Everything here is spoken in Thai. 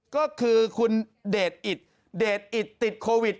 ก็คือคุณเดชอิตเดชอิตติดโควิด